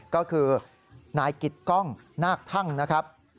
ก็คือนายกิตกล้องนาคทั่งนะครับ